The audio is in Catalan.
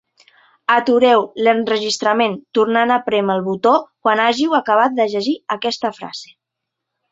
Atureu l'enregistrament tornant a prémer el botó quan hàgiu acabat de llegir aquesta frase.